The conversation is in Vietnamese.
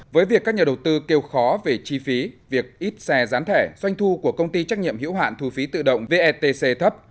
với việc các nhà đầu tư kêu khó về chi phí việc ít xe gián thẻ doanh thu của công ty trách nhiệm hiểu hạn thu phí tự động vetc thấp